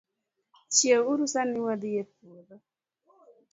Chiew uru sani wadhii e puodho